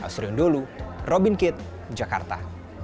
sebelum dulu robin kitt jakarta